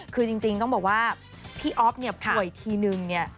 คือจริงต้องบอกว่าพี่อ๊อฟป่วยทีนึง